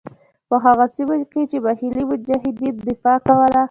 په هغو سیمو کې چې محلي مجاهدینو دفاع کوله.